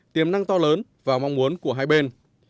tiềm năng to lớn và mong muốn của hai bên